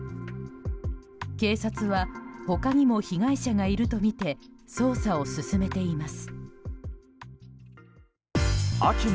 警察は他にも被害者がいるとみて捜査を進めています。